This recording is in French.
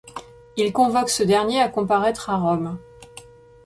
Il convoque ce dernier à comparaître à Rome.